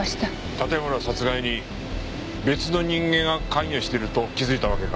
盾村殺害に別の人間が関与してると気づいたわけか。